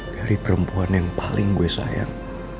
dari perempuan yang paling gue sayang